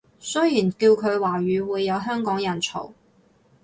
雖然叫佢華語會有香港人嘈